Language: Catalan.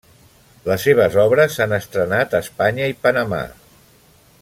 Les seves obres s'han estrenat a Espanya i Panamà.